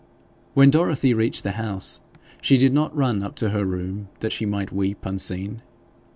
When Dorothy reached the house, she did not run up to her room that she might weep unseen.